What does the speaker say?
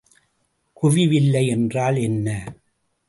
குவிவில்லை என்றால் என்ன?